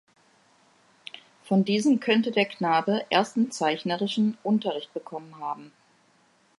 Von diesem könnte der Knabe ersten zeichnerischen Unterricht bekommen haben.